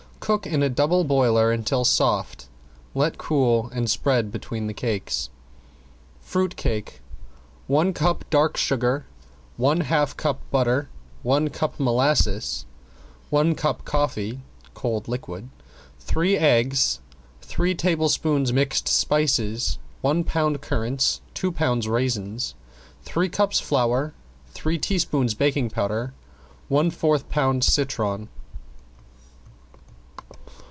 Cook in a double boiler until soft, let cool, and spread between the cakes. ~FRUIT CAKE~ One cup dark sugar, one half cup butter, one cup molasses, one cup coffee (cold liquid), three eggs, three tablespoons mixed spices, one pound currants, two pounds raisins, three cups flour, three teaspoons baking powder, one fourth pound citron.